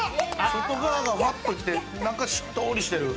外側がフワっとして、中しっとりしてる。